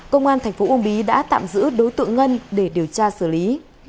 công an tp ub đã tạm giữ đối tượng ngân để điều tra xử lý